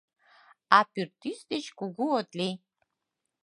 А пӱртӱс деч кугу от лий!